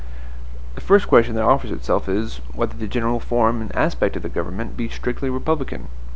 The first question that offers itself is, whether the general form and aspect of the government be strictly republican.